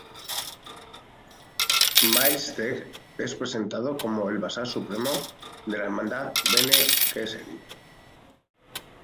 Miles Teg es presentado como el Bashar Supremo de la Hermandad Bene Gesserit.